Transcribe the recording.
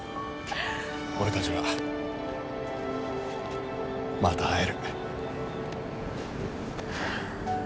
俺たちはまた会える。